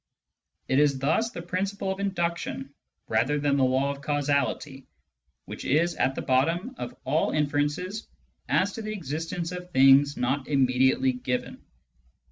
It is thus the principle of induction, rather than the law of causality, which is at the bottom of all inferences as to th« existence of things not immediately given.